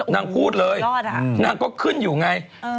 นางพูดเลยนางก็ขึ้นอยู่ไง